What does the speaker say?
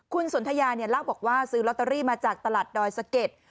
คุณสนทยาเนี่ยเล่าบอกว่าซื้อลอตเตอรี่มาจากตลาดดอยสะเก็ด